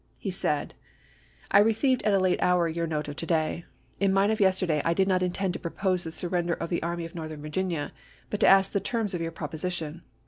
He said : I received at a late hour your note of to day. In mine of yesterday I did not intend to propose the surren der of the Army of Northern Virginia, but to ask the terms of your proposition.